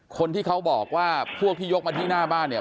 คนที่เขาบอกว่าพวกที่ยกมาที่หน้าบ้านเนี่ย